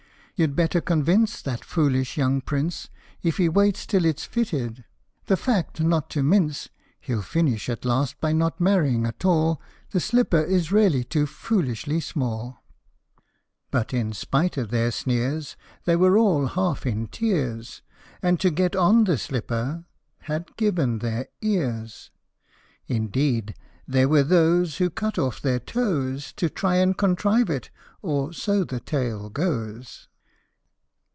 You 'd better convince that foolish young Prince, If he waits till it's fitted the fact not to mince He '11 finish at last by not marrying at all ; The slipper is really too foolishly small !'' 67 CINDERELLA. But in spite of their sneers, they were all half in tears, And to get on the slipper had given their ears ; Indeed, there were those who cut off their toes To try and contrive it or so the tale goes.